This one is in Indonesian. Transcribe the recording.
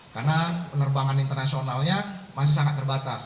karena penerbangan internasionalnya masih sangat terbatas